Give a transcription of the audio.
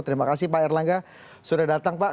terima kasih pak erlangga sudah datang pak